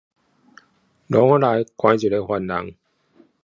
牢房裡關著一名犯人